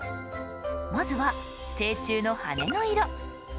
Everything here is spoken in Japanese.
まずは成虫の羽の色。